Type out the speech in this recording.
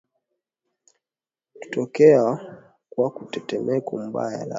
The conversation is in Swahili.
gu tutokea kwa tetemeko mbaya la ardhi